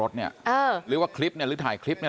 แซ็คเอ้ยเป็นยังไงไม่รอดแน่